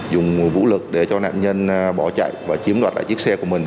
dùng vũ lực để cho nạn nhân bỏ chạy và chiếm đoạt lại chiếc xe của mình